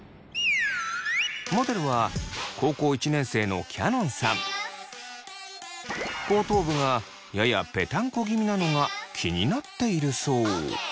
モデルは後頭部がややぺたんこ気味なのが気になっているそう。